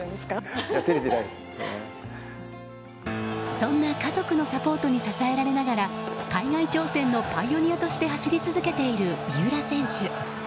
そんな家族のサポートに支えられながら海外挑戦のパイオニアとして走り続けている三浦選手。